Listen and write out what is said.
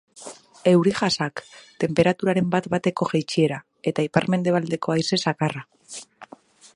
Euri-jasak, tenperaturaren bat-bateko jaitsiera eta ipar-mendebaldeko haize zakarra.